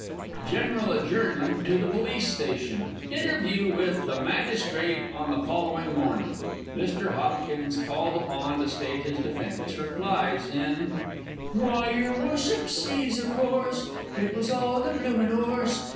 [General adjournment to the Police station. Interview with the Magistrate on the following morning. Mr. Hopkins called upon to state his defence, replies in Chorus Why, your wushup sees, o' course, It was all the bloomin' 'orse!